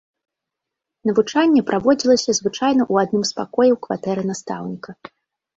Навучанне праводзілася звычайна ў адным з пакояў кватэры настаўніка.